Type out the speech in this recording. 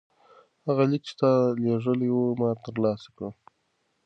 هغه لیک چې تا لیږلی و ما ترلاسه کړ.